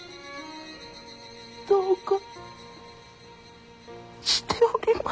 どうかしておりました。